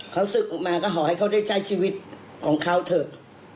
เขาศึกออกมาก็ขอให้เขาได้ใช้ชีวิตของเขาเถอะ